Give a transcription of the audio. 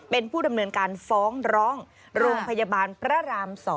เป็นผู้ดำเนินการฟ้องร้องโรงพยาบาลพระราม๒